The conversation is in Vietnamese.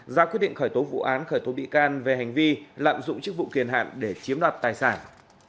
ra quyết định khởi tố vụ án khởi tố bị can về hành vi lạm dụng chức vụ kiền hạn để chiếm đoạt tài sản